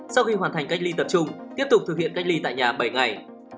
sau khi hoàn thành cách ly tập trung tiếp tục thực hiện cách ly tại nhà bảy ngày